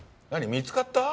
見つかった？